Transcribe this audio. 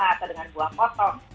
atau dengan buah potong